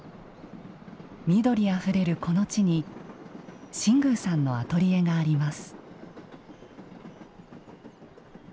緑あふれるこの地に新宮さんのアトリエがあります。